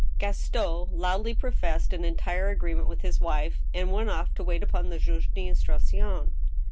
Gaston loudly professed an entire agreement with his wife, and went off to wait upon \^tjuge d* instruction.